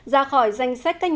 ra khỏi danh sách các nhà công ty